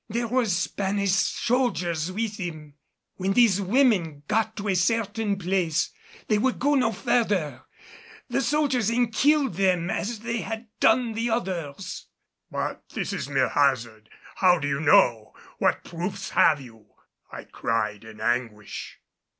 There were Spanish soldiers with them. When these women got to a certain place they would go no further. The soldiers then killed them as they had done the others." "But this is mere hazard how do you know? What proofs have you?" I cried in anguish.